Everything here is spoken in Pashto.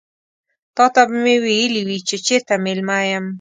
تاته به مې ويلي وي چې چيرته مېلمه یم.